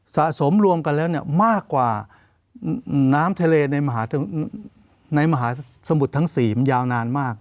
สะสมรวมกันแล้วมากกว่าน้ำทะเลในมหาสมุทรทั้ง๔มันยาวนานมาก